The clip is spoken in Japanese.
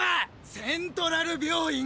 セントラル病院。